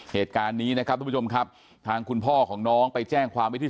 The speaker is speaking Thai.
เหตุการณ์นี้นะครับทุกผู้ชมครับทางคุณพ่อของน้องไปแจ้งความไว้ที่